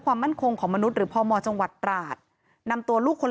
ความมั่นคงของมนุษย์หรือพมจังหวัดตราดนำตัวลูกคน